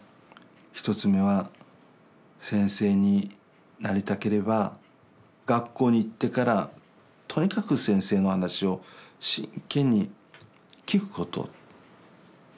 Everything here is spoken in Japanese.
１つ目は先生になりたければ学校に行ってからとにかく先生の話を真剣に聞くこと。